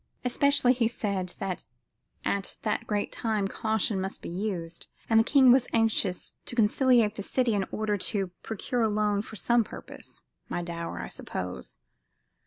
Especially, he said that at that time great caution must be used, as the king was anxious to conciliate the city in order to procure a loan for some purpose my dower, I suppose.